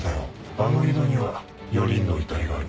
あの井戸には４人の遺体がある。